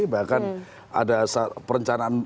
bahkan ada perencanaan